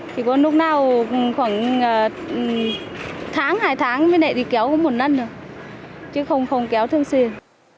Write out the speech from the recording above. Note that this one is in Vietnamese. chỉ có lúc nào khoảng tháng hai tháng với nẹ đi kéo cũng một lần được chứ không kéo thường xuyên